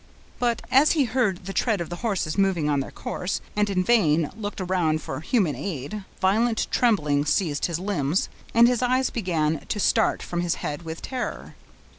But as he heard the tread of the horses moving on their course, and in vain looked around for human aid, violent trembling seized his limbs, and his eyes began to start from his head with terror.